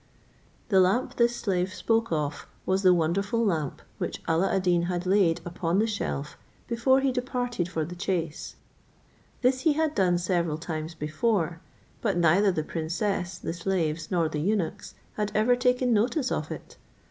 The lamp this slave spoke of was the wonderful lamp, which Alla ad Deen had laid upon the shelf before he departed for the chase; this he had done several times before; but neither the princess, the slaves, nor the eunuchs, had ever taken notice of it.